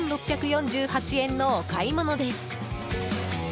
１６４８円のお買い物です。